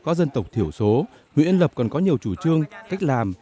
có dân tộc thiểu số nguyễn lập còn có nhiều chủ trương cách làm